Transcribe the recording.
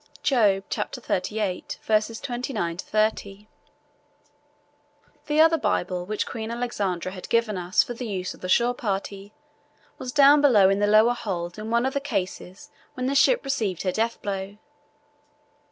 —[Job 38:29–30] The other Bible, which Queen Alexandra had given for the use of the shore party, was down below in the lower hold in one of the cases when the ship received her death blow.